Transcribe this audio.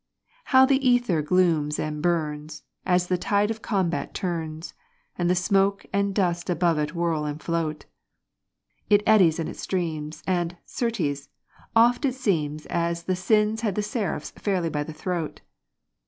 How the Ether glooms and burns, as the tide of combat turns, And the smoke and dust above it whirl and float! It eddies and it streams and, certes, oft it seems As the Sins had the Seraphs fairly by the throat.